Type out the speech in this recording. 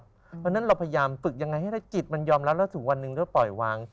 เพราะฉะนั้นเราพยายามฝึกยังไงให้ได้จิตมันยอมรับแล้วถึงวันหนึ่งก็ปล่อยวาง